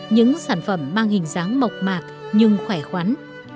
những sản phẩm mang hình dáng mộc mạc nhưng khỏe khoắn